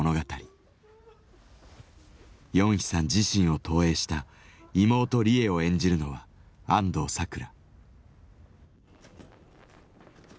ヨンヒさん自身を投影した妹リエを演じるのは安藤サクラ。